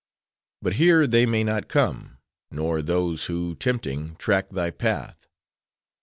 But here they may not come: nor those, who, tempting, track thy path.